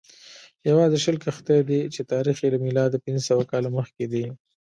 یوازې شل کښتۍ دي چې تاریخ یې له میلاده پنځه سوه کاله مخکې دی